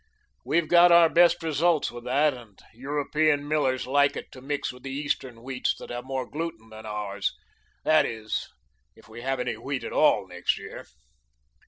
"We've got our best results with that, and European millers like it to mix with the Eastern wheats that have more gluten than ours. That is, if we have any wheat at all next year."